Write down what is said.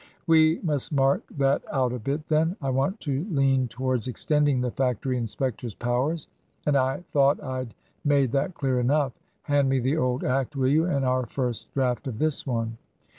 " We must mark that out a bit, then. I want to lean towards extending the Factory Inspectors* powers. And I thought Fd made that clear enough. Hand me the old Act, will you, and our first draft of this one